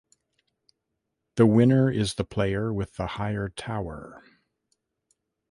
The winner is the player with the higher tower.